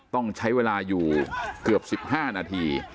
ต้องใช้เวลาอยู่เกือบ๑๕นาที